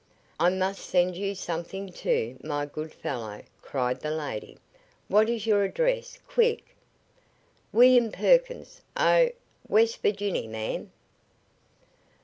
"I must send you something, too, my good fellow," cried the lady. "What is your address quick?" "William Perkins, O , West Virginny, ma'am."